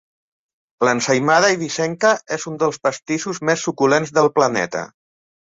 L'ensaïmada eivissenca és un dels pastissos més suculents del planeta.